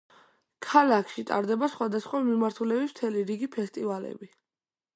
ქალაქში ტარდება სხვადასხვა მიმართულების მთელი რიგი ფესტივალები.